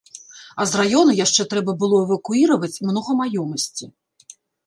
А з раёна яшчэ трэба было эвакуіраваць многа маёмасці.